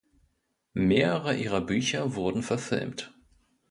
Mehrere ihrer Bücher wurden verfilmt.